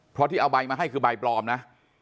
เพราะที่เอาใบมาให้คือใบปลอมนะ